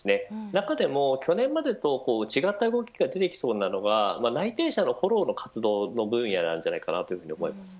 中でも去年までと違った動きに出てきそうなのが内定者のフォローの活動の分野だと思います。